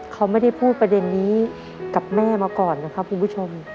เขาไม่ได้พูดประเด็นนี้กับแม่มาก่อนนะครับคุณผู้ชม